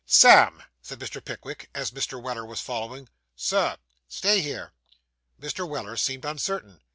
'Sam,' said Mr. Pickwick, as Mr. Weller was following. 'Sir.' Stay here.' Mr. Weller seemed uncertain.